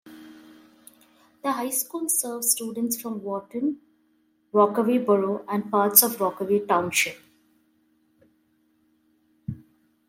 The high school serves students from Wharton, Rockaway Borough and parts of Rockaway Township.